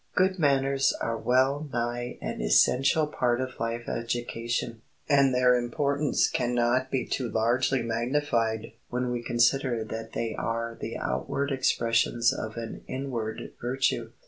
Good manners are well nigh an essential part of life education, and their importance can not be too largely magnified when we consider that they are the outward expressions of an inward virtue.